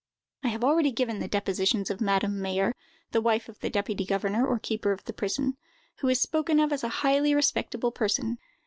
I have already given the depositions of Madame Mayer, the wife of the deputy governor or keeper of the prison, who is spoken of as a highly respectable person.